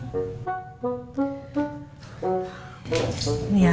mau gak mau harus dibatalin kang